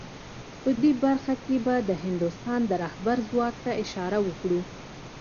په دې برخه کې به د هندوستان د رهبر ځواک ته اشاره وکړو